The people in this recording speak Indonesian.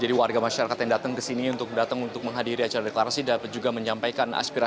jadi warga masyarakat yang datang kesini untuk datang untuk menghadiri acara deklarasi dapat juga menyampaikan aspirasi mereka